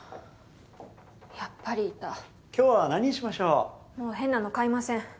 やっぱりいた今日は何にしましょうもう変なの買いません